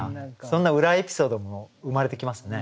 そんな裏エピソードも生まれてきますね。